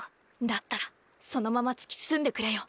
だったらそのまま突き進んでくれよ。